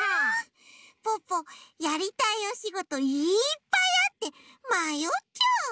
ポッポやりたいおしごといっぱいあってまよっちゃう。